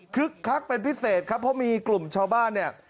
คักเป็นพิเศษครับเพราะมีกลุ่มชาวบ้านเนี่ย